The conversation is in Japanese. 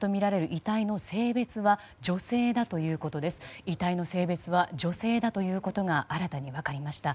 遺体の性別は女性だということが新たに分かりました。